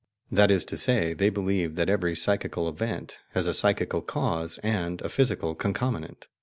That is to say, they believe that every psychical event has a psychical cause and a physical concomitant.